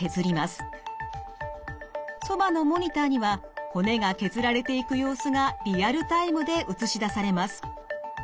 そばのモニターには骨が削られていく様子がリアルタイムで映し出されます。